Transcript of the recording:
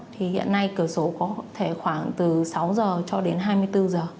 thì hiện nay cửa sổ có thể khoảng từ sáu giờ cho đến hai mươi bốn giờ